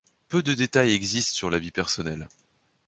Peu de détails existent sur la vie personnelle.